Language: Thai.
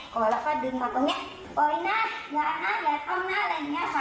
ก่อแล้วก็ดึงมาตรงนี้ปล่อยหน้าอยากหน้าอยากเข้าหน้าอะไรอย่างนี้ค่ะ